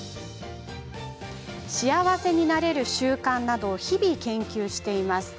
幸せになれる習慣などを日々、研究しています。